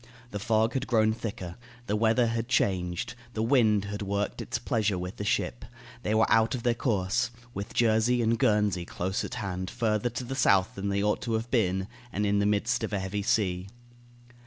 The fog had grown thicker; the weather had changed; the wind had worked its pleasure with the ship; they were out of their course, with Jersey and Guernsey close at hand, further to the south than they ought to have been, and in the midst of a heavy sea.